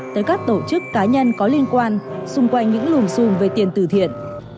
tới các tổ chức cá nhân có liên quan xung quanh những lùm xùm về tiền tử thiện